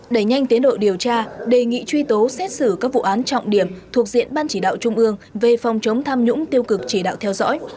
đẩy nhanh tiến độ điều tra đề nghị truy tố xét xử các vụ án trọng điểm thuộc diện ban chỉ đạo trung ương về phòng chống tham nhũng tiêu cực chỉ đạo theo dõi